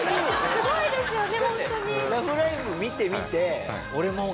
すごいですね。